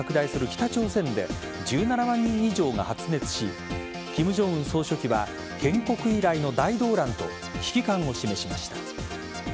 北朝鮮で１７万人以上が発熱し金正恩総書記は建国以来の大動乱と危機感を示しました。